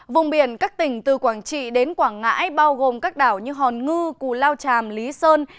vùng biển các tỉnh từ quảng trị đến quảng ngãi bao gồm các đảo như hòn ngư cù lao tràm lý sơn